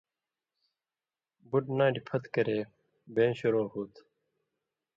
بُٹ ناٹیۡ پھت کرے بیں شروع ہُو تھہ